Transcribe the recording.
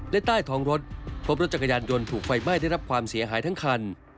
และใต้ท้องรถพบรถจักรยานยนต์ถูกไฟไหม้ได้รับความเสียหายทั้งคัน